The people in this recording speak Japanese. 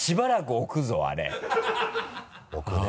置くね。